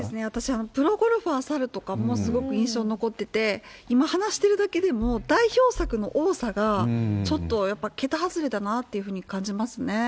私はプロゴルファー猿とかもすごく印象に残ってて、今話してるだけでも、代表作の多さが、ちょっとやっぱ、けた外れだなというふうに感じますね。